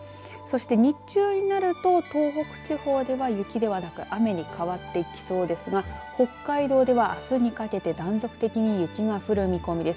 そして、日中になると東北地方では雪ではなく雨に変わっていきそうですが北海道では、あすにかけて断続的に雪が降る見込みです。